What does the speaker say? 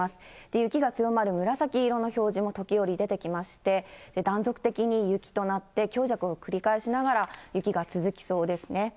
雪が強まる紫色の表示も時折、出てきまして、断続的に雪となって、強弱を繰り返しながら雪が続きそうですね。